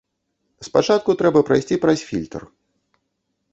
Спачатку трэба прайсці праз фільтр.